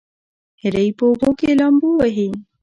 هیلۍ په اوبو کې لامبو وهي